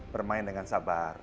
bermain dengan sabar